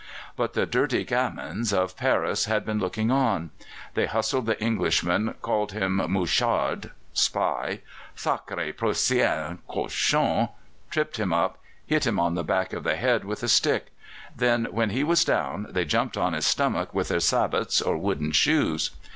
But the dirty gamins of Paris had been looking on. They hustled the Englishman, called him mouchard (spy), sacré Prussien, cochon, tripped him up, hit him on the back of the head with a stick; then, when he was down, they jumped on his stomach with their sabots or wooden shoes.